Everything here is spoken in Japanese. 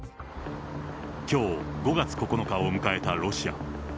きょう５月９日を迎えたロシア。